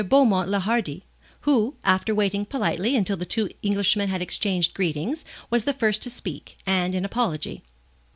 Beaumont le Hardi, who, after waiting politely until the two Englishmen had exchanged greetings, was the first to speak, and in apology.